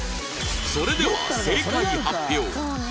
それでは正解発表